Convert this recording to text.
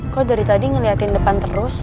kok dari tadi ngeliatin depan terus